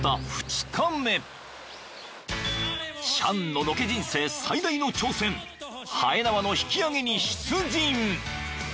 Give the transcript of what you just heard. ［チャンのロケ人生最大の挑戦はえ縄の引き揚げに出陣］